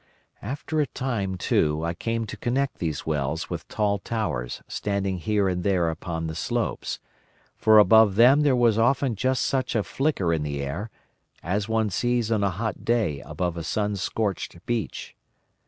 "After a time, too, I came to connect these wells with tall towers standing here and there upon the slopes; for above them there was often just such a flicker in the air as one sees on a hot day above a sun scorched beach.